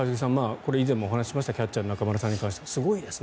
これは以前もお話ししましたキャッチャーの中村さんに関しては。